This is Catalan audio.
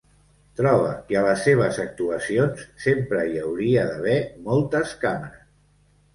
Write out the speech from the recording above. Troba que a les seves actuacions sempre hi hauria d'haver moltes càmeres.